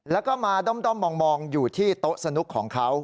แล้วก็มาด้อมมองอยู่ที่โต๊ะสนุกของเขา